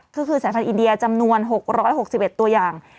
ก็คือสายพันธ์อินเดียจำนวน๖๖๑ตัวอย่าง